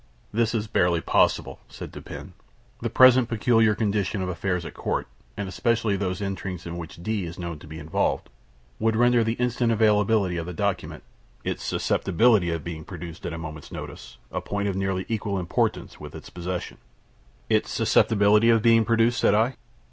"This is barely possible," said Dupin. "The present peculiar condition of affairs at court, and especially of those intrigues in which D is known to be involved, would render the instant availability of the document its susceptibility of being produced at a moment's notice a point of nearly equal importance with its possession." "Its susceptibility of being produced?" said I.